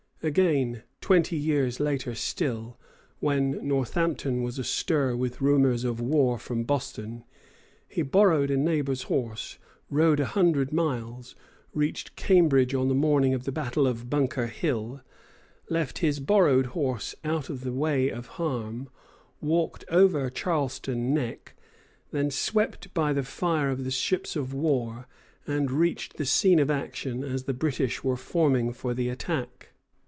Again, twenty years later still, when Northampton was astir with rumors of war from Boston, he borrowed a neighbor's horse, rode a hundred miles, reached Cambridge on the morning of the battle of Bunker Hill, left his borrowed horse out of the way of harm, walked over Charlestown Neck, then swept by the fire of the ships of war, and reached the scene of action as the British were forming for the attack.